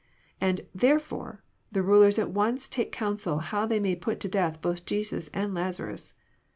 And therefore the rulers at once take counsel how they may put to death both Jesus and Lazarus.